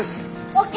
ＯＫ。